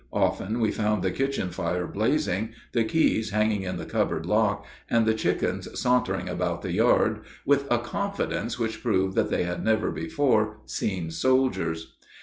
Often we found the kitchen fire blazing, the keys hanging in the cupboard lock, and the chickens sauntering about the yard with a confidence which proved that they had never before seen soldiers.